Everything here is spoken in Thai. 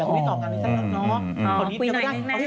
คุณพี่ตอบกันนี้แสดงแล้ว